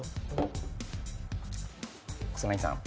草薙さん